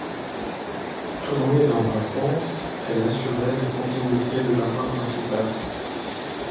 Tournées dans un sens, elles assuraient la continuité de la voie principale.